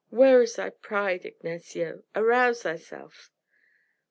Where is thy pride, Ignacio? Arouse thyself!"